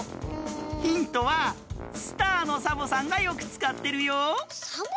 ヒントはスターのサボさんがよくつかってるよ。